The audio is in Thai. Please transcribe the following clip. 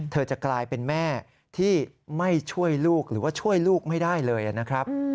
จะกลายเป็นแม่ที่ไม่ช่วยลูกหรือว่าช่วยลูกไม่ได้เลยนะครับ